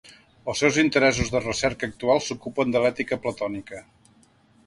Els seus interessos de recerca actuals s'ocupen de l'ètica platònica.